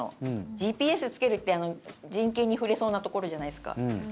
ＧＰＳつけるって人権に触れそうなところじゃないですか。